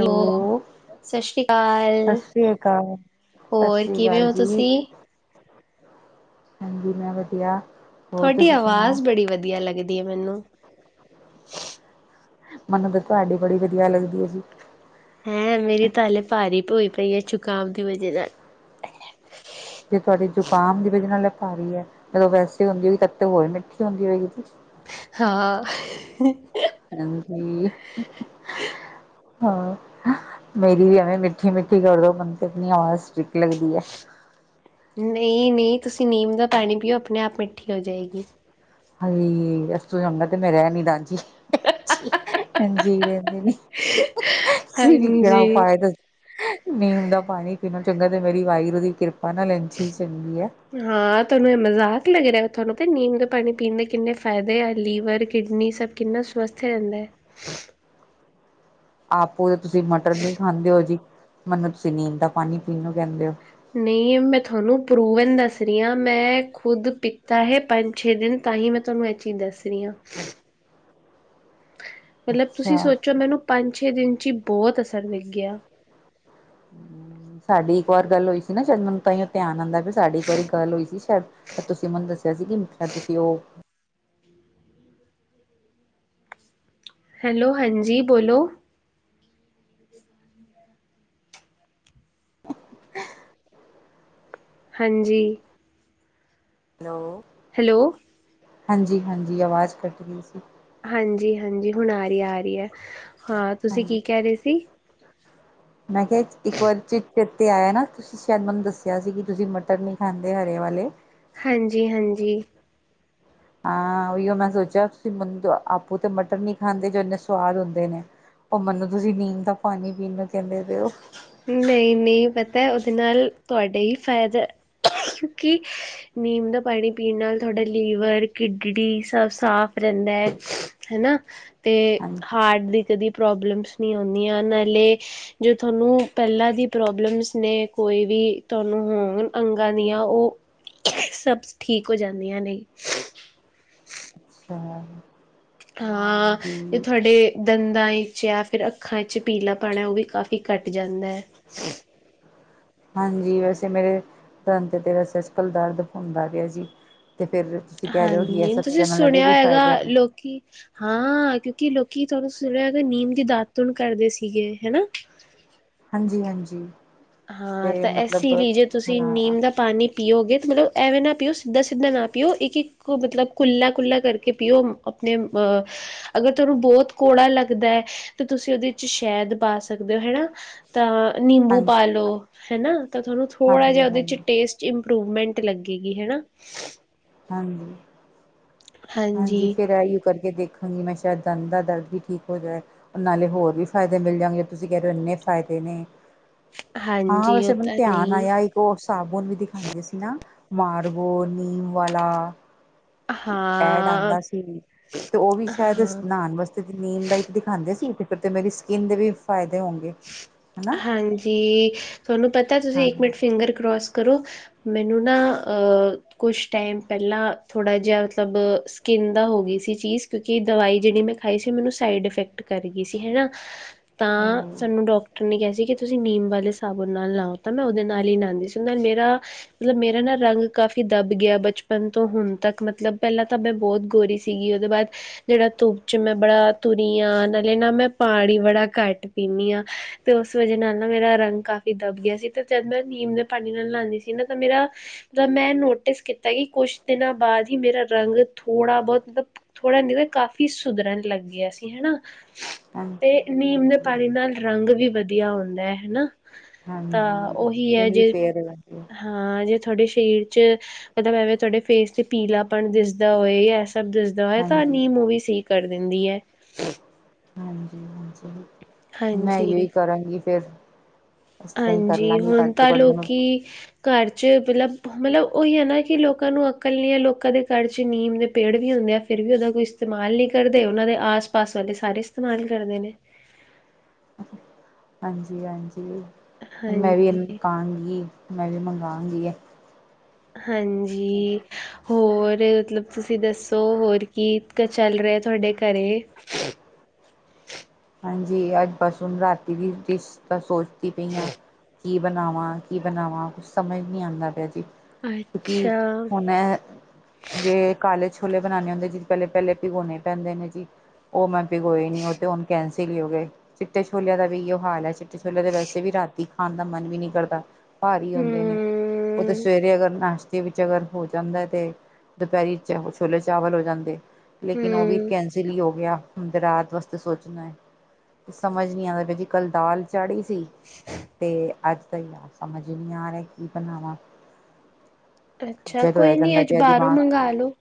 Hello, ਸਤ ਸ੍ਰੀ ਸਤਿ ਅਕਾਲ। ਸ੍ਰੀ ਅਕਾਲ ਸਤਿ ਹੋਰ ਸ੍ਰੀ ਕਿਵੇਂ ਅਕਾਲ ਓ, ਜੀ ਤੁਸੀਂ? ਹਾਂਜੀ, ਮੈਂ ਵਧੀਆ। ਹੋਰ ਥੋਡੀ ਤੁਸੀਂ ਸੁਣਾਓ ਅਵਾਜ਼ ਬੜੀ ਵਧੀਆ ਲੱਗਦੀ ਏ, ਮੈਨੂੰ। ਮਨੂੰ ਤਾਂ ਤੁਹਾਡੀ ਬੜੀ ਵਧੀਆ ਲੱਗਦੀ ਏ, ਜੀ। ਹੈਂ, ਮੇਰੀ ਤਾਂ ਹਾਲੇ ਭਾਰੀ ਭ ਹੋਈ ਪਈ ਏ, ਜੁਕਾਮ ਦੀ ਵਜ੍ਹਾ ਨਾਲ। ਜੇ ਤੁਹਾਡੇ ਜ਼ੁਕਾਮ ਦੀ ਵਜੇ ਨਾਲ ਭਾਰੀ ਐ, ਜਦੋਂ ਵੈਸੇ ਹੁੰਦੀ ਹੋਗੀ ਤਾਂ ਹੋਰ ਮਿੱਠੀ ਹੁੰਦੀ ਹੋਏਗੀ ਜੀ। ਹਾਂ ਹਾਂਜੀ, ਹਾਂ। ਮੇਰੀ ਵੀ ਐਵੇਂ ਮਿੱਠੀ-ਮਿੱਠੀ ਕਰਦੋ ਮੈਨੂੰ ਤੇ ਆਪਣੀ ਆਵਾਜ਼ ਸਟ੍ਰਿਕਟ ਲੱਗਦੀ ਐ। ਨਹੀਂ, ਨਹੀਂ ਤੁਸੀਂ ਨੀਮ ਦਾ ਪਾਣੀ ਪੀਓ ਆਪਣੇ ਆਪ ਮਿੱਠੀ ਹੋ ਜਾਏਗੀ। ਹਾਏ ਇਸ ਤੋਂ ਚੰਗਾ ਤੇ ਮੈਂ ਰਹਿਣ ਹੀ ਦਾ ਜੀ, ਹਾਂਜੀ ਰਹਿੰਦੇ ਨੇ। ਤੁਸੀਂ ਵੀ ਕਿਆ ਹਾਂਜੀ। ਉਪਾਏ ਦੱ ਨੀਮ ਦਾ ਪਾਨੀ ਪੀਨ ਨਾਲੋਂ ਚੰਗਾ ਤੇ ਮੇਰੀ ਵਾਹਿਗੁਰੂ ਦੀ ਕਿਰਪਾ ਨਾਲ ਐਝ ਹੀ ਚੰਗੀ ਐ। ਹਾਂ ਤੋਨੂੰ ਏ ਮਜ਼ਾਕ ਲੱਗ ਰਿਹਾ ਥੋਨੂੰ ਤੇ ਨੀਮ ਦੇ ਪਾਨੀ ਪੀਨ ਦੇ ਕਿੰਨੇ ਫ਼ਾਇਦੇ ਆ ਲੀਵਰ ਕਿਡਨੀ ਸਭ ਕਿੰਨਾ ਸਵਸਥ ਰਹਿੰਦਾ। ਆਪੋ ਤੇ ਤੁਸੀ ਮਟਰ ਨੀ ਖਾਂਦੇ ਹੋ ਜੀ ਮਨੂੰ ਤੁਸੀ ਨੀਮ ਦਾ ਪਾਣੀ ਪੀਨ ਨੂੰ ਕਹਿੰਦੇ ਹੋ ਨਈ ਮੈਂ ਥੋਨੂੰ ਪਰੂਵਨ ਦੱਸ ਰਹੀ ਆਂ ਮੈਂ ਖੁਦ ਪੀਤਾ ਹੈ ਪੰਜ ਛੇ ਦਿਨ ਤਾਹੀ ਮੈਂ ਤੁਹਾਨੂੰ ਏ ਚੀਜ਼ ਦੱਸ ਰੀ ਆਂ। ਮਤਲਬ ਤੁਸੀ ਅੱਛਾ। ਸੋਚੋ ਮੈਨੂੰ ਪੰਜ-ਛੇ ਦਿਨ ਚ ਈ ਬਹੋਤ ਅਸਰ ਦਿਖ ਗਿਆ। ਹ ਸਾਡੀ ਇੱਕ ਓਰ ਗੱਲ ਹੋਈ ਸੀ ਨਾ ਸਾਇਦ ਮੈਨੂੰ ਤਾਂਈ ਓ ਧਿਆਨ ਆਂਦਾ ਪਿਆ ਸਾਡੀ ਇੱਕ ਵਾਰੀ ਗੱਲ ਹੋਈ ਸੀ ਸ਼ਾਯਦ ਤਾਂ ਤੁਸੀਂ ਮੈਨੂੰ ਦੱਸਿਆ ਸੀ ਕਿ ਸ਼ਾਯਦ ਤੁਸੀ ਓ ਹੈਲੋ, ਹਾਂਜੀ ਬੋਲੋ ਹਾਂਜੀ। ਹੈਲੋ। ਹੈਲੋ। ਹਾਂਜੀ, ਹਾਂਜੀ ਅਵਾਜ਼ ਕੱਟਗੀ ਸੀ। ਹਾਂਜੀ, ਹਾਂਜੀ ਹੁਣ ਆ ਰੀ ਐ, ਆ ਰੀ ਐ, ਹਾਂ ਤੁਸੀਂ ਕੀ ਕਹਿ ਰਹੇ ਸੀ? ਮੈਂ ਕਿਹਾ ਇੱਕ ਵਾਰ ਚ ਚੇਤੇ ਆਇਆ ਨਾ ਤੁਸੀ ਸ਼ਾਯਦ ਮੈਨੂੰ ਦੱਸਿਆ ਸੀ ਕਿ ਤੁਸੀ ਮਟਰ ਨੀ ਖਾਂਦੇ ਹਰੇ ਵਾਲੇ ਹਾਂਜੀ, ਹਾਂਜੀ। ਆ ਉਹੀ ਓ ਮੈਂ ਸੋਚਿਆ ਤੁਸੀ ਆਪੋ ਤੇ ਮਟਰ ਨੀ ਖਾਂਦੇ ਜੋ ਇੰਨੇ ਸਵਾਦ ਹੁੰਦੇ ਨੇ। ਓ ਮੈਨੂੰ ਤੁਸੀਂ ਨੀਮ ਦਾ ਪਾਣੀ ਪੀਨ ਨੂੰ ਕਹਿੰਦੇ ਪਏ ਓ ਨਈ ਨਈ ਪਤਾ ਓਦੇ ਨਾਲ ਤੁਹਾਡੇ ਈ ਫਾਇਦਾ ਕਿ ਨੀਮ ਦਾ ਪਾਨੀ ਪੀਨ ਨਾਲ ਤੁਆਡਾ ਲੀਵਰ, ਕਿਡਨੀ ਸਬ ਸਾਫ਼ ਰਹਿੰਦੇ। ਹਨਾ ਤੇ ਹਾਂਜੀ ਹਾਰਟ ਦੀ ਕਦੀ ਪ੍ਰੋਬਲਮਸ ਨੀ ਔਨੀਆਂ ਨਾਲੇ ਜੋ ਥੋਨੂੰ ਪਹਿਲਾਂ ਦੀ ਪ੍ਰੋਬਲਮਸ ਨੇ ਕੋਈ ਵੀ ਤੁਹਾਨੂੰ ਹੋਣ ਅੰਗਾਂ ਦੀਆਂ ਓ ਸਭਸ ਠੀਕ ਹੋ ਜਾਂਦੀਆਂ ਨੇ। ਅੱਛਾ। ਹਾਂ, ਜੇ ਹਾਂਜੀ ਤੁਹਾਡੇ ਦੰਦਾਂ ਵਿਚ ਜਾਂ ਫੇਰ ਅੱਖਾਂ ਵਿੱਚ ਚ ਪੀਲਾਪਣ ਐ ਓ ਵੀ ਕਾਫ਼ੀ ਘੱਟ ਜਾਂਦੈ। ਹਾਂਜੀ, ਵੈਸੇ ਮੇਰੇ ਦੰਦ ਤੇ [unintelligible] ਹੁੰਦਾ ਪਿਆ ਜੀ ਤੇ ਫੇਰ ਹਾਂਜੀ, ਤੁਸੀ ਸੁਣਿਆ ਹੋਏਗਾ ਨੇ ਲੋਕੀ ਹਾਂ ਕਿਉਂਕਿ ਲੋਕੀ ਤੋਹਾਨੂੰ ਸੁਣਿਆ ਹੋਏਗਾ ਨੀਮ ਦੀ ਦਾਤੂਨ ਕਰਦੇ ਸੀਗੇ, ਹੈਨਾ ਹਾਂਜੀ, ਹਾਂਜੀ। ਤੇ ਹਾਂ, ਤਾਂ ਮਤਲਬ ਐਸੀ ਲਈ ਜੇ ਤੁਸੀ ਹਾਂ ਨੀਮ ਦਾ ਪਾਨੀ ਪੀਓਗੇ ਮਤਲਬ ਐਵੇਂ ਨਾ ਪੀਓ ਸਿੱਧਾ-ਸਿੱਧਾ ਨਾ ਪੀਓ ਇੱਕ-ਇੱਕ ਮਤਲਬ ਕੁੱਲਾ-ਕੁੱਲਾ ਕਰਕੇ ਪੀਓ ਆਪਨੇ ਅ ਅਗਰ ਤੁਹਾਨੂੰ ਬਹੁਤ ਕੌੜਾ ਲੱਗਦੇ ਤੇ ਤੁਸੀ ਓਦੇ ਚ ਸ਼ਹਿਦ ਪਾ ਸਕਦੇ ਓ ਹੈਨਾ ਤਾਂ ਨਿੰਬੂ ਹਾਂਜੀ ਪਾ ਲੋ, ਹੈਨਾ ਤਾਂ ਥੋਨੂੰ ਥੋੜਾ ਹਾਂਜੀ ਜਿਹਾ ਓਦੇ ਚ ਹਾਂਜੀ ਟੇਸਟ ਇੰਪਰੂਵਮੈਂਟ ਲੱਗੇਗੀ ਹੈਨਾ ਹਾਂਜੀ-ਹਾਂਜੀ ਹਾਂਜੀ ਫੇਰ ਐਈਓ ਕਰਕੇ ਦੇਖ ਮੈਂ ਸ਼ੇਯਦ ਦੰਦ ਦਾ ਦਰਦ ਵੀ ਠੀਕ ਹੋ ਜਾਏ। ਨਾਲੇ ਹੋਰ ਵੀ ਫਾਯਦੇ ਮਿਲ ਜਾਨਗੇ ਤੁਸੀ ਕੈ ਰੇ ਓ ਇੰਨੇ ਫਾਯਦੇ ਨੇ। ਹਾਂ, ਹਾਂਜੀ ਉਹ ਵੈਸੇ ਮਨੂੰ ਤਾਂ ਤੇਯਾਨ ਨਹੀਂ ਆਯਾ ਈ ਕ ਓ ਸਾਬੁਨ ਵੀ ਦਿਖਾਂਦੇ ਸੀ ਨਾ, ਮਾਰਵੋ ਨੀਮ ਵਾਲਾ। ਐਡ ਹਾਂ ਆਂਦਾ ਸੀ, ਤੇ ਓ ਵੀ ਸ਼ਾਯਦ ਇਸ ਹਾਂ ਨਾੱਨ ਵਾਸ ਨੀਮ ਦਾ ਈ ਦਿਖਾਂਦੇ ਸੀ, ਤੇ ਫੇਰ ਤੇ ਮੇਰੀ ਸਕਿੰਨ ਦੇ ਵੀ ਫਾਯਦੇ ਹੋਨਗੇ। ਹਾਂਜੀ, ਤਆਨੂੰ ਪਤਾ ਤੁਸੀ ਹਾਂ ਇੱਕ ਮਿੰਟ ਫਿੰਗਰ ਕਰੋਸ ਕਰੋ ਮੈਨੂੰ ਨਾ ਅ ਕੁਛ ਟਾਈਮ ਪੈਲਾਂ ਥੋੜਾ ਜੇਆ ਸਬ ਸਕਿੰਨ ਦਾ ਹੋਗੀ ਸੀ ਚੀਜ਼, ਕਯੋਕਿ ਦਵਾਈ ਜੇੜੀ ਮੈਂ ਖਾਈ ਸੀ ਮੈਨੂੰ ਸਾਈਡ ਇਫੈਕਟ ਕਰ ਗੀ ਸੀ, ਹੈਨਾ। ਤਾਂ ਉਹ ਸਾਨੂੰ ਡਾਕਟਰ ਨੇ ਕਿਆ ਸੀ ਕਿ ਤੁਸੀਂ ਨੀਮ ਵਾਲੇ ਸਾਬਰ ਨਾਲ ਨਾਓ ਤਾਂ ਮੈਂ ਉਹਦੇ ਨਾਲ ਹੀ ਨਾੳਦੀ ਸੀ ਨਾਲ ਮੇਰਾ ਮਤਲਬ ਮੇਰਾ ਨਾ ਰੰਗ ਕਾਫੀ ਦੱਬ ਗਿਆ ਬਚਪਨ ਤੋਂ ਹੁਣ ਤੱਕ ਮਤਲਬ ਪਹਿਲਾਂ ਤਾਂ ਮੈਂ ਬੋਹਤ ਗੋਰੀ ਸੀ ਦੀ ਉਹਤੋਂ ਬਾਦ ਜਿਹੜਾ ਧੂਪ ਚ ਮੈਂ ਬੜਾ ਤੁਰੀ ਆ ਨਾਲੇ ਨਾ ਮੈਂ ਪਾਨੀ ਵੜਾ ਘੱਟ ਪੀਨੀ ਆ ਤੇ ਉਸ ਵਜੇਹ ਨਾਲ ਨਾ ਮੇਰਾ ਰੰਗ ਕਾਫ ਦੱਬ ਗਿਆ ਸੀ ਤੇ ਫੇਰ ਮੈਂ ਨੀਮ ਦੇ ਪਾਨੀ ਨਾਲ ਨਾੰਦੀ ਸੀ ਨਾ ਤੇ ਮੇਰਾ ਤਾਂ ਮੈਂ ਨੋਟਿਸ ਕੀਤਾ ਕਿ ਕੁਛ ਦਿਨਾਂ ਬਾਦ ਹੀ ਮੇਰਾ ਰੰਗ ਥੋੜਾ ਬੋਹਤ ਥੋੜਾ ਨੀਤੇ ਕਾਫੀ ਸੁਧਰਨ ਲੱਗ ਗਿਆ ਸੀ ਹਨਾ ਤੇ ਹਾਂਜੀ ਨੀਮ ਦੇ ਹਾਂਜੀ ਨਾਲ ਰੰਗ ਵੀ ਵਦੀਆ ਹੁੰਦਾ ਹਨਾ। ਤਾਂ ਹਾਂਜੀ ਉਹੀ ਹੈ ਇਨੂੰ ਵੀ ਜੇ ਫੇਰ ਲਗ ਗਯਾ। ਹਾਂ ਜੇ ਤੁਹਾਡੇ ਸਰੀਰ ਚ ਮਤਲਬ ਐਵੇਂ ਤੁਹਾਡੇ ਫੇਸ ਤੇ ਪੀਲਾਪਣ ਦਿਸਦਾ ਹੋਏ ਦਿਸਦਾ ਹੋਏ ਤਾਂ ਹਾਂਜੀ ਨੀਮ ਊਵੀ ਸਈ ਕਰ ਦਿੰਦੀ ਐ। ਹਾਂਜੀ-ਹਾਂਜੀ ਮੈਂ ਏਈਯੋ ਹਾਂਜੀ ਹੀ ਕਰਾਂਗੀ ਫੇਰ। ਹਂਜੀ ਹੁਨ ਤਾਂ ਲੋਕੀ ਘਰ ਚ ਮਲਬ-ਮਲਬ ਓਈਯੋ ਨਾ ਕਿ ਲੋਕਾਂ ਨੂੰ ਅਕਲ ਨੀ ਐ ਲੋਕਾਂ ਦੇ ਘਰ ਚੇ ਨੀਮ ਦੇ ਪੇੜ ਵੀ ਹੁੰਦੇ ਐ। ਫੇਰ ਵੀ ਉਹਦਾ ਕੋਈ ਇਸਤੇਮਾਲ ਨੀ ਕਰਦੇ ਉਹਨਾਂ ਦੇ ਆਸ ਪਾਸ ਵਾਲੇ ਸਾਰੇ ਇਸਤੇਮਾਲ ਕਰਦੇ ਨੇ। ਹਾਂਜੀ-ਹਾਂਜੀ ਮੈਂ ਵੀ ਇਹਨੂੰ ਹਾਂਜੀ ਕਾਂਗੀ ਮੈਂ ਵੀ ਮੰਗਾ ਗੀ ਐ। ਹਾਂਜੀ ਹੋਰ ਮਤਲਬ ਤੁਸੀਂ ਦੱਸੋ ਹੋਰ ਕੀ ਚੱਲ ਰਿਆ ਤੁਹਾਡੇ ਘਰੇ। ਹਾਂਜੀ ਅੱਜ ਬਸ ਹੁਨ ਰਾਤੀ ਦੀ ਡਿਸ਼ ਦਾ ਸੋਚਦੀ ਪਈ ਆ। ਕੀ ਬਨਾਵਾਂ, ਕੀ ਬਨਾਵਾਂ ਕੁਛ ਸਮਝ ਨੀ ਆਭਦਾ ਪਿਆ ਜੀ। ਕੀ ਅੱਛਾ ਹੁਨ ਜੇ ਕਾਲੇ ਛੋਲੇ ਬਨਾਨੇ ਹੁੰਦੇ ਜੀ ਪੇਲੇ-ਪੇਲੇ ਪਿਗੋਨੇ ਪੈਂਦੇ ਨੇ ਜੀ। ਓ ਮੈਂ ਪਿਗੋਏ ਨੀ ਉਹ ਤੇ ਹੁਨ ਕੈਂਸਲ ਹੀ ਹੋ ਗਏ ਚਿੱਟੇ ਛੋਲਿਆਂ ਦਾ ਵੀ ਏਇਯੋ ਹਾਲ ਹੈ ਚਿੱਟੇ ਛੋਲੇ ਤੇ ਵੈਸੇ ਵੀ ਰਾਤੀ ਖਾਨ ਦਾ ਮਨ ਵੀ ਨੀ ਕਰਦਾ ਭਾਰੀ ਹੂੰ ਹੁੰਦੇ ਨੇ ਉਹ ਤੇ ਸਵੇਰੇ ਅਗਰ ਨਾਸ਼ ਵਿੱਚ ਅਗਰ ਹੋ ਜਾਂਦਾ ਐ ਤੇ ਦੁਪਹਰੀ ਚਾ ਛੋਲੇ ਚਾਵਲ ਹੋ ਜਾਂਦੇ। ਲੇਕਿਨ ਉਹ ਵੀ ਹੂੰ ਕੈਂਸਲ ਹੀ ਹੋ ਗਿਆ ਹੁਨ ਤੇ ਰਾਤ ਵਾਸਤੇ ਸੋਚ ਨੇ ਸਮਝ ਨੀ ਆ ਰਈ ਬ ਜੀ ਕੱਲ ਦਾਲ ਚਾੜੀ ਤੇ ਅੱਜ ਤਾਂ ਯਾ ਸਮਝ ਨੀ ਆ ਰਿਆ ਕੀ ਬਨਾਵਾ। ਅੱਛਾ ਕੋਈ ਨੀ ਅੱਜ ਬਾਰੋਂ ਮੰਗਾ ਲੋ।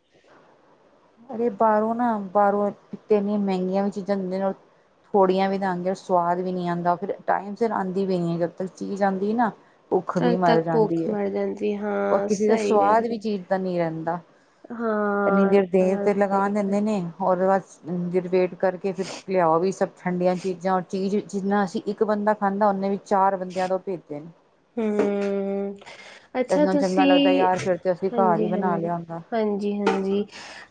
ਅਰੇ ਬਾਰੋ ਨਾ ਬਾਰੋ ਇਕ ਤੇ ਇੰਨੀਆਂ ਮਹਿੰਗੀਆਂ ਵੀ ਚੀਜ਼ਾਂ ਦਿੰਦੇ ਨੇ ਅ ਥੋੜੀਆ ਵੀ ਦਾਗੇ ਸਵਾਦ ਵੀ ਨੀ ਆਂਦਾ ਫਿਰ ਟਾਈਮ ਸਿਰ ਆਂਦੀ ਵੀ ਨੀ ਜਦ ਤੱਕ ਚੀਜ਼ ਆਂਦੀ ਏ ਨਾ ਭੁੱਖ ਵੀ ਤਦ ਮਰ ਤੱਕ ਭੁੱਖ ਜਾਂਦੀ ਹੈ ਮਰ ਜਾਂਦੀ ਔਰ ਹਾਂ ਕਿਸੇ ਦਾ ਸਹੀ ਗੱਲ ਸਵਾਦ ਹੈ ਵੀ ਚੀਜ ਦਾ ਨਹੀਂ ਰਹਿੰਦਾ ਇੰਨੀ ਹਾਂ ਇਹ ਦੇਰ ਤਾਂ ਦੇਰ ਗੱਲ ਤੇ ਲਗਾ ਸਹੀ ਹੈ ਦਿੰਦੇ ਨੇ ਉਹਦੇ ਬਾਅਦ ਇੰਨੀ ਦੇਰ ਵੇਟ ਕਰਕੇ ਫਿਰ ਲਿਆਓ ਵੀ ਸਭ ਠੰਡੀਆਂ ਚੀਜ਼ਾਂ ਔਰ ਚੀਜ਼ ਜਿੰਨਾ ਅਸੀਂ ਇੱਕ ਬੰਦਾ ਖਾਂਦਾ ਓਨੇ ਵੀ ਚਾਰ ਬੰਦਿਆਂ ਤੋਂ ਭੇਜੇ ਨੇ ਹਮ ਤੇ ਏਸ ਅੱਛਾ ਨਾਲੋ ਚੰਗਾ ਲੱਗਦਾ ਤੁਸੀਂ ਯਾਰ ਫਿਰ ਤੇ ਅਸੀਂ ਘਰ ਹੀ ਬਣਾ ਲਿਆ ਹੁੰਦਾ ਜੀ ਹਾਂਜੀ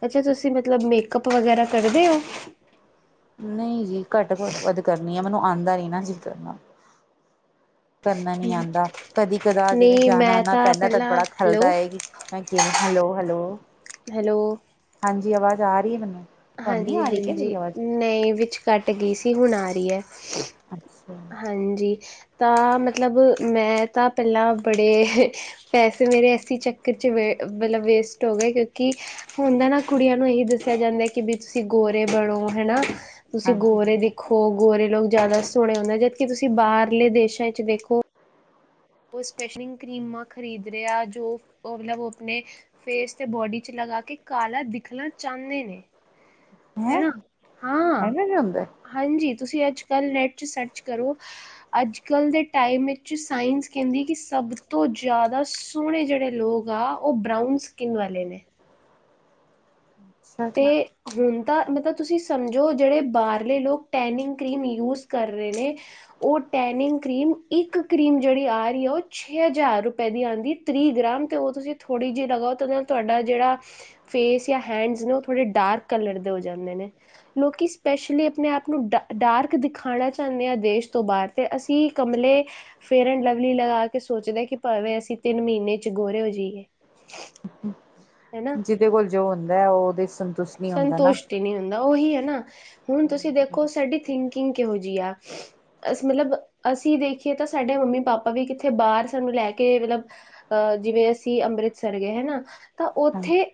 ਅੱਛਾ ਤੁਸੀਂ ਮਤਲਬ ਮੇਕਅੱਪ ਵਗੈਰਾ ਕਰਦੇ ਹੋ ਨਹੀਂ ਜੀ ਘੱਟ ਵੱਧ ਕਰਨੀ ਆ ਮੈਨੂੰ ਆਉਂਦਾ ਨ ਨਾ ਜੀ ਕਰਨਾ ਕਰਨਾ ਨੀ ਆਉਂਦਾ ਕਦੀ ਕਦਾਰ ਜਿਵੇਂ ਨਹੀਂ ਜਾਣਾ ਆ ਮੈਂ ਨਾ ਪੈਂਦਾ ਤਾਂ ਪਹਿਲਾਂ ਬੜਾ ਖਲਦਾ ਹੈਲੋ ਹੈਗੀ ਹ ਕਿਵੇਂ ਹੈਲੋ ਹੈਲੋ ਹੈਲੋ ਹਾਂਜੀ ਆਵਾਜ਼ ਆ ਰਹੀ ਹੈ ਮੈਨੂੰ ਤਾਨੂੰ ਨੀ ਆ ਰਹੀ ਕਿ ਮੇਰੀ ਆਵਾਜ਼ ਨਈ ਵਿੱਚ ਕੱਟ ਗਈ ਸੀ ਹੁਣ ਆ ਰਹੀ ਹੈ ਅੱਛਾ ਹਾਂਜੀ ਤਾਂ ਮਤਲਬ ਮੈਂ ਤਾਂ ਪੈਲਾਂ ਬੜੇ ਪੈਸੇ ਮੇਰੇ ਐਸੀ ਚੱਕਰ ਚ ਮਤਲਬ ਵੇਸਟ ਹੋ ਗਏ ਕਿਉਂਕਿ ਹੁੰਦਾ ਨਾ ਕੁੜੀਆਂ ਨੂੰ ਇਹੀ ਦੱਸਿਆ ਜਾਂਦਾ ਕਿ ਬਈ ਤੁਸੀਂ ਗੋਰੇ ਬਣੋ ਹਨਾ ਤੁਸੀਂ ਹਾਂਜੀ ਗੋਰੇ ਹੈਂ ਦਿਖੋ ਗੋਰੇ ਲੋਗ ਜ਼ਿਆਦਾ ਸੋਹਣੇ ਹੁੰਦੇ ਜਦਕਿ ਤੁਸੀਂ ਬਾਹਰਲੇ ਦੇਸ਼ਾਂ ਵਿੱਚ ਦੇਖੋ ਉਹ ਸਪੈਸ਼ਲਿੰਗ ਕਰੀਮਾਂ ਖਰੀਦ ਰਿਹਾ ਜੋ ਮਤਲਬ ਉਹ ਆਪਣੇ ਫੇਸ ਅਤੇ ਬੋਡੀ 'ਚ ਲਗਾ ਕੇ ਕਾਲਾ ਦਿਖਣਾ ਚਾਂਦੇ ਨੇ ਹੈਂ ਹਨਾ ਹਾਂ ਐਂਵੇ ਵੀ ਹੁੰਦਾ ਏ ਹਾਂਜੀ ਤੁਸੀਂ ਅੱਜ ਕੱਲ੍ਹ ਨੈੱਟ 'ਚ ਸਰਚ ਕਰੋ ਅਜ ਕੱਲ੍ਹ ਦੇ ਟਾਈਮ ਵਿੱਚ ਸਾਇੰਸ ਕਹਿੰਦੀ ਕਿ ਸਭ ਤੋਂ ਜ਼ਿਆਦਾ ਸੋਹਣੇ ਜਿਹੜੇ ਲੋਗ ਆ ਉਹ ਬਰਾਊਨ ਸਕਿੰਨ ਵਾਲੇ ਨੇ ਅੱਛਾ ਤੇ ਜੀ। ਹੁਣ ਤਾਂ ਮਤਲਬ ਤੁਸੀਂ ਸਮਝੋ ਜਿਹੜੇ ਬਾਹਰਲੇ ਲੋਕ ਟੈਨਿੰਗ ਕਰੀਮ ਯੂਜ ਕਰ ਰਹੇ ਨੇ ਉਹ ਟੈਨਿੰਗ ਕ੍ਰੀਮ ਇੱਕ ਕ੍ਰੀਮ ਜਿਹੜੀ ਆ ਰਹੀ ਆ ਉਹ ਛੇ ਹਜ਼ਾਰ ਰੁਪਏ ਦੀ ਆਂਦੀ ਤ੍ਰੀਹ ਗ੍ਰਾਮ 'ਤੇ ਉਹ ਤੁਸੀਂ ਥੋੜ੍ਹੀ ਜਿਹੀ ਲਗਾਓ ਤਾਂ ਉਹਦੇ ਨਾਲ ਤੁਹਾਡਾ ਜਿਹੜਾ ਫੇਸ ਜਾਂ ਹੈਂਡਸ ਨੇ ਉ ਥੋੜੇ ਡਾਰਕ ਕਲਰ ਦੇ ਹੋ ਜਾਂਦੇ ਨੇ ਲੋਕੀਂ ਸਪੈਸ਼ਲੀ ਆਪਣੇ ਆਪ ਨੂੰ ਡ ਡਾਰਕ ਦਿਖਾਉਣਾ ਚਾਹੁੰਦੇ ਆ ਦੇਸ਼ ਤੋਂ ਬਾਹਰ ਤੇ ਅਸੀਂ ਕਮਲੇ 'ਫੇਅਰ ਐਂਡ ਲਵਲੀ' ਲਗਾ ਕੇ ਸੋਚਦੇ ਕਿ ਭਾਵੇਂ ਅਸੀਂ ਤਿੰਨ ਮਹੀਨੇ ਚ ਗੋਰੇ ਹੋ ਜਾਈਏ ਹਨਾ ਜਿਹਦੇ ਕੋਲ ਜੋ ਹੁੰਦਾ ਏ ਓ ਉਹਦੇ ਸੰਤੁਸ਼ ਸੰਤੁਸ਼ਟ ਹੀ ਨਹੀਂ ਹੁੰਦਾ ਉਹੀ ਹੈ ਨਾ ਹੁਣ ਤੁਸੀਂ ਹੂੰ ਦੇਖੋ ਸਾਡੀ ਥਿੰਕਿੰਗ ਕਿਹੋ ਜਿਹੀ ਆ ਅਸੀਂ ਮਤਲਬ ਅਸੀਂ ਦੇਖੀਏ ਤਾਂ ਸਾਡੇ ਮੰਮੀ ਪਾਪਾ ਵੀ ਕਿੱਥੇ ਬਾਹਰ ਸਾਨੂੰ ਲੈ ਕੇ ਮਤਲਬ ਅ ਜਿਵੇਂ ਅਸੀਂ ਅੰਮ੍ਰਿਤਸਰ ਗਏ ਹਨਾ ਤਾਂ ਉੱਥੇ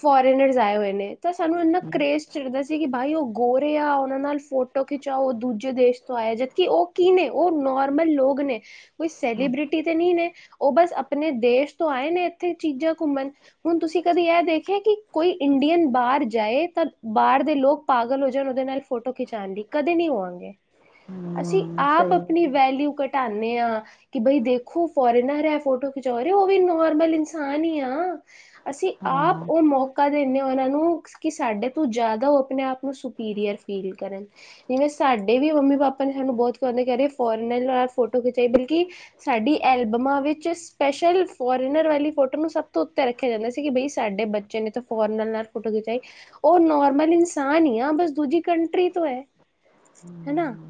ਫੋਰਨਰਜ ਆਏ ਹੋਏ ਨੇ ਤਾਂ ਸਾਨੂੰ ਇੰਨਾ ਕਰੇਜ ਚੜਦਾ ਸੀ ਕਿ ਬਾਈ ਉਹ ਗੋਰੇ ਆ ਉਨਾ ਨਾਲ ਫੋ ਫੋਟੋ ਖਿਚਾਵਾਓ ਦੂਜੇ ਦੇਸ਼ ਤੋਂ ਆਏ ਜਦਕਿ ਉਹ ਕੀ ਨੇ ਉਹ ਨੋਰਮਲ ਲੋਕ ਨੇ ਕੋਈ ਸੈਲੀਬ੍ਰਿਟੀ ਤੇ ਨਹੀਂ ਨੇ ਉਹ ਬਸ ਆਪਣੇ ਦੇਸ਼ ਤੋਂ ਆਏ ਨੇ ਇੱਥੇ ਚੀਜ਼ਾਂ ਘੁੰਮਣ ਹੁਣ ਤੁਸੀਂ ਕਦੀ ਇਹ ਦੇਖਿਆ ਕਿ ਕੋਈ ਇੰਡੀਅਨ ਬਾਹਰ ਜਾਏ ਤਾਂ ਬਾਹਰ ਦੇ ਲੋਕ ਪਾਗਲ ਹੋ ਜਾਣ ਉਹਦੇ ਨਾਲ ਫੋਟੋ ਖਿਚਾਉਣ ਲਈ ਕਦੇ ਨਹੀਂ ਹੋਵਾਂਗੇ ਹਮ ਅਸੀਂ ਆਪ ਆਪਣੀ ਵੈਲਿਊ ਘਟਾਨੇ ਆਂ ਕਿ ਬਈ ਦੇਖੋ ਫੋਰੇਨਰ ਏ ਫੋਟੋ ਅਰੇ ਉਹ ਵੀ ਨੋਰਮਲ ਇਨਸਾਨ ਹੀ ਆ ਅਸੀਂ ਆਪ ਹਾਂ ਉਹ ਮੌਕਾ ਦਿੰਦੇ ਹ ਉਹਨਾਂ ਨੂੰ ਕਿ ਸਾਡੇ ਤੋਂ ਜ਼ਿਆਦਾ ਓ ਆਪਣੇ ਆਪ ਨੂੰ ਸੁਪੀਰੀਅਰ ਫੀਲ ਕਰਨ ਜਿਵੇਂ ਸਾਡੇ ਵੀ ਮੰਮੀ ਪਾਪਾ ਨੇ ਸਾਨੂੰ ਬਹੁਤ ਕਉਂਦੇ ਫੋਰਨਰ ਨਾਲ ਫੋਟੋ ਖਿਚਾਈ ਬਲਕਿ ਸਾਡੀ ਐਲਬਮਾਂ ਵਿੱਚ 'ਚ ਸਪੈਸ਼ਲ ਫੋਰਨਰ ਵਾਲੀ ਫੋਟੋ ਨੂੰ ਸਭ ਤੋਂ ਉੱਤੇ ਰੱਖਿਆ ਜਾਂਦਾ ਸੀ ਕਿ ਬਈ ਸਾਡੇ ਬੱਚੇ ਨੇ ਤਾਂ ਫੋਰਨਰ ਨਾਲ ਫੋਟੋ ਖਿਚਾਈ ਓ ਨੋਰਮਲ ਇਨਸਾਨ ਹੀ ਆ ਬਸ ਦੂਜੀ ਕੰਟਰੀ ਤੋਂ ਏ ਹਨਾ ਹਮ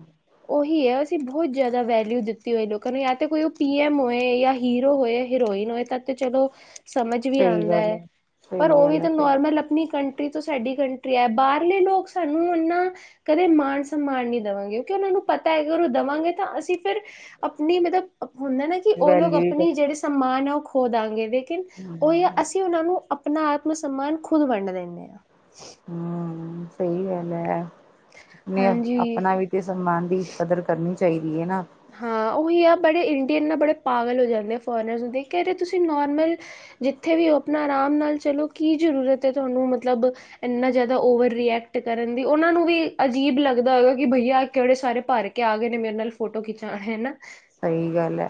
ਉਹੀ ਆ ਅਸੀਂ ਬਹੁਤ ਜ਼ਿਆਦਾ ਵੈਲਿਊ ਦਿੱਤੀ ਹੋਈ ਲੋਕਾਂ ਨੂੰ ਜਾਂ 'ਤੇ ਕੋਈ ਓ ਪੀ-ਐਮ ਹੋਏ ਜਾਂ ਹੀਰੋ ਹੋਏ' ਹੀਰੋਇਨ ਹੋਏ ਤਦ ਤੇ ਚਲੋ ਸਮਝ ਵੀ ਸਹੀ ਆਂਦਾ ਗੱਲ ਏ ਹੈ, ਪਰ ਸਹੀ ਓ ਵੀ ਗੱਲ ਹੈ, ਤਾਂ ਸਹੀ ਨੋਰਮਲ ਅਪ ਆਪਣੀ ਕੰਟਰੀ ਤੋਂ ਸਾਡੀ ਕੰਟਰੀ ਐ ਬਾਹਰਲੇ ਲੋਕ ਸਾਨੂੰ ਇਨਾਂ ਕਦੇ ਮਾਣ-ਸਮਮਾਨ ਨਹੀਂ ਦਵਾਂਗੇ ਕਿਉਂਕਿ ਉਨਾਂ ਨੂੰ ਪਤਾ ਏ ਅਗਰ ਓ ਦਵਾਂਗੇ ਤਾਂ ਅਸੀਂ ਫਿਰ ਆਪਣੀ ਮਤਲਬ ਹੁੰਦਾ ਨਾ ਕਿ ਓ ਲੋਕ ਵੈਲਿਊ ਹੀ ਆਪਣੀ ਜਿਹੜੇ ਸਮਾਨ ਆ ਓ ਖੋਦਾਂਗੇ ਦੇ ਲੇਕਿਨ ਉਹੀ ਆ ਹਮ ਅਸੀਂ ਉਨਾਂ ਨੂੰ ਆਪਣਾ ਆਤਮ ਸਮਾਨ ਖੁਦ ਵੰਡ ਦਿੰਨੇ ਆਂ ਹਾਂ ਸਹੀ ਗੱਲ ਏ ਨਈ ਹਾਂਜੀ ਆਪਣਾ ਵੀ ਤੇ ਸਨਮਾਨ ਦੀ ਕਦਰ ਕਰਨੀ ਚਾਈਦੀ ਏ ਨਾ ਹਾਂ ਉਹੀ ਆ ਬੜੇ ਇੰਡੀਅਨ ਨਾ ਬੜੇ ਪਾਗਲ ਹੋ ਜਾਂਦੇ ਆ ਫੋਰਨਰਸ ਨੂੰ ਦੇਖ ਕੇ ਅਰੇ ਤੁਸੀਂ ਨੋਰਮਲ ਜਿੱਥੇ ਵੀ ਓ ਆਪਣਾ ਆਰਾਮ ਨਾਲ ਚਲੋ ਕੀ ਜ਼ਰੂਰਤ ਏ ਤੁਹਾਨੂੰ ਮਤਲਬ ਇੰਨਾ ਜ਼ਿਆਦਾ ਓਵਰ ਰਿਐਕਟ ਕਰਨ ਦੀ ਉਨਾਂ ਨੂੰ ਵੀ ਅਜੀਬ ਲੱਗਦਾ ਹੋਏਗਾ ਕਿ ਭਈਆਂ ਕੇੜੇ ਸਾਰੇ ਭਾਰੇ ਚੁੱਕ ਕੇ ਆ ਗਏ ਨੇ ਮਨੂੰ ਫੋਟੋ ਖਿਚਾਉਣ ਹੇਨਾ ਸਹੀ ਗੱਲ ਹੈ,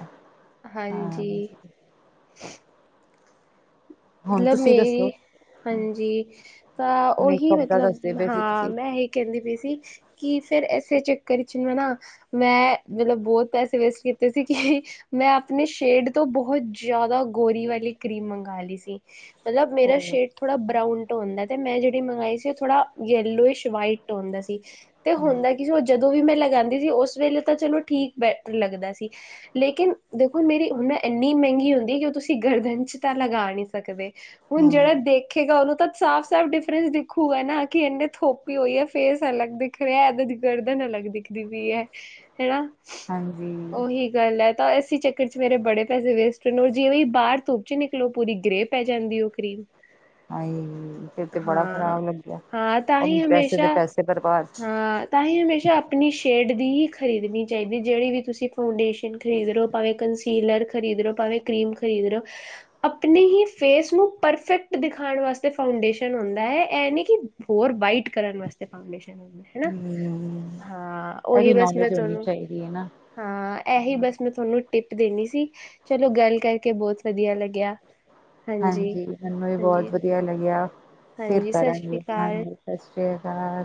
ਹਾਂ ਹਾਂਜੀ ਹੁਣ ਮਤਲਬ ਤੁਸੀਂ ਮੇਰੀ ਦੱਸੋ ਹਾਂਜੀ ਤਾਂ ਉਹੀ ਮੇਕਅਪ ਦਾ ਦੱਸਦੇ ਮਤਲਬ ਪਏ ਸੀ ਹਾਂ ਤੁਸੀਂ ਮੈਂ ਇੱਕ ਕਹੇਦੀ ਪਈ ਸੀ ਕਿ ਫੇਰ ਇਸੇ ਚੱਕਰ 'ਚ ਮੈਂ ਨਾ ਮੈਂ ਮਤਲਬ ਬਹੁਤ ਪੈਸੇ ਵੇਸਟ ਕੀਤੇ ਸੀ ਕਿ ਮੈਂ ਆਪਣੇ ਸ਼ੇਡ ਤੋਂ ਬਹੁਤ ਜ਼ਿਆਦਾ ਗੋਰੀ ਵਾਲੀ ਕਰੀਮ ਮੰਗਵਾ ਲਈ ਸੀ। ਮਤਲਬ ਮੇਰਾ ਹੋਰ ਸ਼ੇਡ ਥੋੜ੍ਹਾ ਬਰਾਊਨ ਟ ਹੁੰਦਾ ਤੇ ਮੈਂ ਜਿਹੜੀ ਮੰਗਵਾਈ ਸੀ ਓ ਥੋੜ੍ਹਾ ਯਲੋਇਸ਼ ਵਾਈਟ ਹੁੰਦਾ ਸੀ। ਤੇ ਹੁੰਦਾ ਕੀ ਸੀ ਓ ਜਦੋਂ ਵੀ ਮੈਂ ਲਗਾਉਂਦੀ ਸੀ ਉਸ ਵੇਲੇ ਤਾਂ ਚਲੋ ਠੀਕ ਬ ਲੱਗਦਾ ਸੀ ਲੇਕਿਨ ਦੇਖੋ ਮੇਰੀ ਮੈ ਇੰਨੀ ਮਹਿੰਗੀ ਹੁੰਦੀ ਕਿ ਓ ਤੁਸੀਂ ਗਰਦਨ 'ਚ ਤਾਂ ਲਗਾ ਨੀ ਹੁਣ ਹਮ ਜਿਹੜਾ ਦੇਖ ਦੇਖੇਗਾ ਉਨੂੰ ਤਾਂ ਸਾਫ਼, ਸਾਫ਼ ਡਿਫਰੈਂਸ ਦਿਖੂਗਾ ਨਾ ਕਿ ਇਹੰਨੇ ਥੋਪੀ ਹੋਈ ਆ ਫੇਸ ਅਲੱਗ ਦਿਖ ਰਿਹਾ ਇਦੀ ਗਰਦਨ ਅੱਲਗ ਦਿਖਦੀ ਪਈ ਆ ਹਨਾ। ਹਾਂਜੀ। ਉਹੀ ਗੱਲ ਐ ਤਾਂ ਇਸੀ ਚੱਕਰ 'ਚ ਮੇਰੇ ਬੜੇ ਪੈਸੇ ਵੇਸਟ ਨੇ ਔਰ ਜਿਵੇਂ ਬਾਰ ਧੁੱਪ 'ਚ ਨਿਕਲੋ ਪੂਰੀ ਗ੍ਰੇਪ ਪੈ ਜਾਂਦੀ ਓ ਕਰੀਮ ਹਾਏ ਫਿਰ ਤੇ ਬੜਾ ਹਾਂ। ਖ਼ਰਾਬ ਲੱਗਿਆ ਹਾਂ ਤਾਂ ਔਰ ਪੈਸੇ ਦੇ ਪੈਸੇ ਬਰਬਾਦ ਤਾਂਹੀਂ ਹਮੇਸ਼ਾ ਆਪਣੀ ਸ਼ੇਡ ਦੀ ਹੀ ਖਰੀਦਣੀ ਚਾਈਦੀ ਜਿਹੜੀ ਵੀ ਤੁਸੀਂ ਫਾਉਂਡੇ ਸਨ ਖਰੀਦ ਲੋ ਭਾਵੇਂ ਕੰਸੀਲਰ ਖਰੀਦ ਰੌ ਭਾਵੇਂ ਕਰੀਮ ਖਰੀਦ ਰੌ ਅਪਨੀ ਹੀ ਫੇਸ ਨੂੰ ਪਰਸਟ ਦਿਖਾਉਣ ਵਾਸਤੇ ਫਾਊਂਡੇਸ਼ਨ ਹੁੰਦਾ ਆ ਐ ਨੀ ਕਿ ਹੋਰ ਵਾਈਟ ਕਰਨ ਵਾਸਤੇ ਫਊਂਡੇਸ਼ਨ ਹਨਾ ਹਮ ਹਾਂ ਇਹ ਉਹੀ ਵੀ ਬਸ ਮੈਂ ਨੌਲੇਜ ਹੋਣੀ ਤੁਹਾਨੂੰ ਚਾਹੀਦੀ ਹੈ ਨਾ ਹਾਂ ਇਹੀ ਬਸ ਮੈਂ ਤੁਹਾਨੂੰ ਟ੍ਰਿਪ ਦੇਣੀ ਸੀ ਚਲੋ ਗੱਲ ਕਰਕੇ ਬਹੁਤ ਵਧੀਆ ਲੱਗਿਆ। ਹਾਂਜੀ ਮੈਨੂੰ ਵੀ ਹਾਂਜੀ ਬਹੁਤ ਵਧੀਆ ਲੱਗਿਆ ਫਿਰ ਹਾਂਜੀ ਸਤਿ ਸ੍ਰੀ ਕਰਾਂਗੇ ਅਕਾਲ ਹਾਂਜੀ। Okay bye.